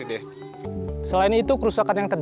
selain itu kerusakan yang terjadi itu juga menyebabkan penyakit